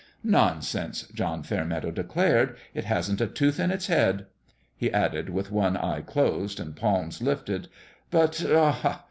" Nonsense 1 " John Fairmeadow declared ;" it hasn't a tooth in its head." He added, with one eye closed, and palms lifted :" But aha!